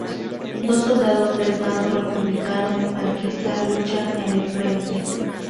Dos soldados del bando republicano y franquista luchan en el frente.